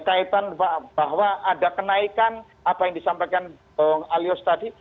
kaitan bahwa ada kenaikan apa yang disampaikan bung alius tadi